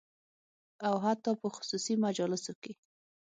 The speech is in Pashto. او حتی په خصوصي مجالسو کې